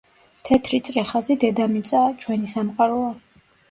თეთრი წრეხაზი დედამიწაა, ჩვენი სამყაროა.